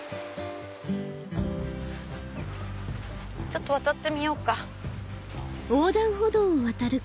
ちょっと渡ってみようか。